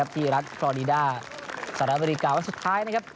ที่รัฐคลอรีดาสหรัฐอเมริกาวันสุดท้าย